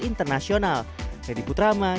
melainkan dapat memberi ruang para pengembang game lokal